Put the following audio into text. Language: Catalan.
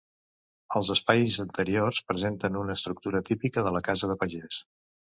Els espais interiors presenten una estructura típica de la casa de pagès.